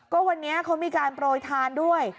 ก็วันนี้เขามีการโปรยทานด้วย